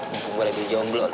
bukankah gua lebih jomblo lu